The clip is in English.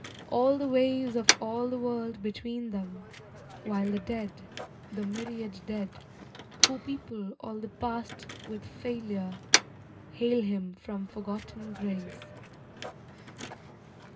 All the waves Of all the world between them: While the dead, The myriad dead, who people all the Past With failure, hail him from forgotten graves.